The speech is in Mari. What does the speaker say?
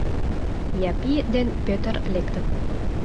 Япи ден Пӧтыр лектыт.